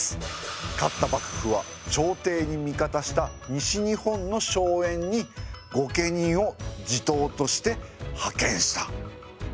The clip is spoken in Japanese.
勝った幕府は朝廷に味方した西日本の荘園に御家人を地頭として派遣した。